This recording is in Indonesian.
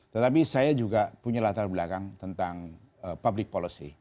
tetapi saya juga punya latar belakang tentang public policy